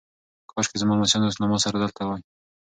کاشکي زما لمسیان اوس له ما سره دلته وای.